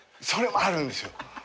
それもあるんですよ。